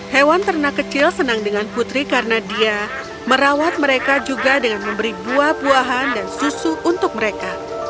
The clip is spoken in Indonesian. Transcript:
hewan ternak kecil senang dengan putri karena dia merawat mereka juga dengan memberi buah buahan dan susu untuk mereka